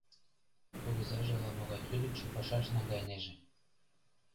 Кугызаже ала-могай лӱдыкшӧ пашаш наҥгайынеже...